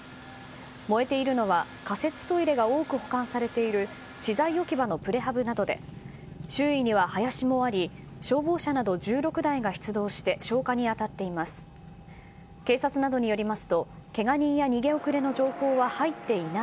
燃えているのは仮設トイレが多く保管されている資材置き場のプレハブなどで周囲には林もあり消防車など１６台が出動して消火に当たっています。